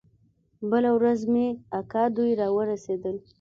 بله ورځ مې اکا دوى راورسېدل.